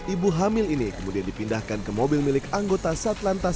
ibu hamil ini kemudian dipindahkan ke mobil milik anggota satlantas